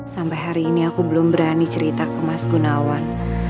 sampai hari ini aku belum berani cerita ke mas gunawan